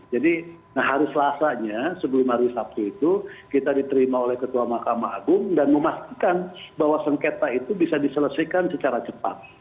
jadi hari selasanya sebelum hari sabtu itu kita diterima oleh ketua mahkamah agung dan memastikan bahwa sengketa itu bisa diselesaikan secara cepat